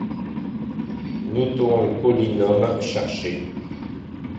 Notons le polynôme cherché.